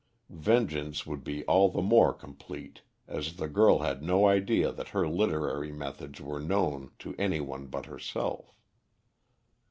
Vengeance would be all the more complete, as the girl had no idea that her literary methods were known to any one but herself.